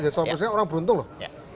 seharusnya orang beruntung loh